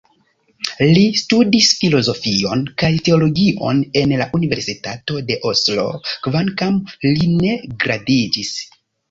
Li studis filozofion kaj teologion en la Universitato de Oslo, kvankam li ne gradiĝis.